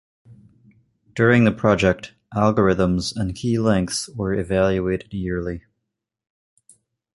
During the project, algorithms and key lengths were evaluated yearly.